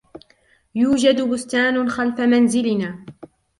يوجد بستان خلف منزلنا.